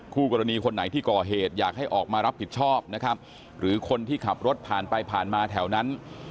คู่กรณีคนไหนที่ก่อเหตุอยากให้ออกมารับผิดชอบนะครับหรือคนที่ขับรถผ่านไปผ่านมาแถวนั้น